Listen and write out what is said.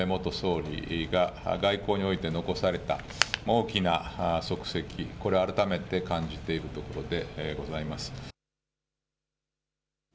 改めて安倍元総理が外交において残された大きな足跡、これを改めて感じているところでございます。